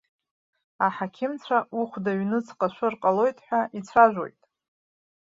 Аҳақьымцәа ухәда аҩнуҵҟа шәыр ҟалоит ҳәа ицәажәоит.